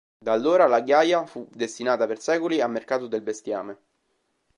Da allora la Ghiaia fu destinata per secoli a mercato del bestiame.